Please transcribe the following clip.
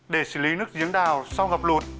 để xử lý nước giếng đào sau ngập lụt